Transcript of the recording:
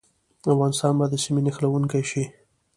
افغانستان به د سیمې نښلونکی شي؟